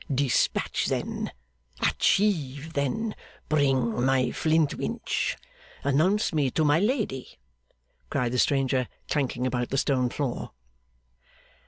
'Despatch then! Achieve then! Bring my Flintwinch! Announce me to my lady!' cried the stranger, clanking about the stone floor.